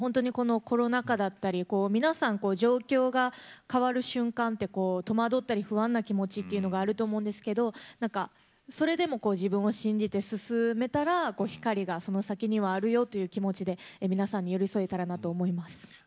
コロナ禍だったり皆さんが状況が変わる瞬間って戸惑ったり不安な気持ちがあると思うんですけどそれでも自分を信じて進めたら光がその先にはあるよという気持ちで皆さんに寄り添えたらなと思います。